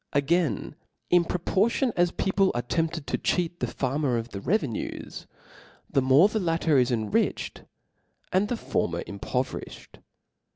Again, in proportion as people are tempted to cheat the farmer of the revenues, the more the latter is OF LAWS. 313 is enriched,' and the former impoverifbed.